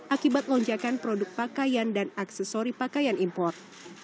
akibat lonjakan produk pakaian dan aksesori pakaian import